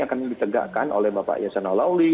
akan ditegakkan oleh bapak yesen al auli